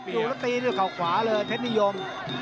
จับอยู่แล้วตีด้วยข่าวขวาเลยเทคนิยม